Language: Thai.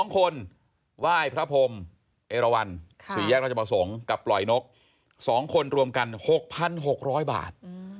๒คนไหว้พระพรมเอราวัน๔แยกราชประสงค์กับปล่อยนก๒คนรวมกัน๖๖๐๐บาท